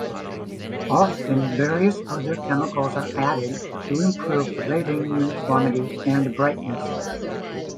Often various other chemicals are added to improve plating uniformity and brightness.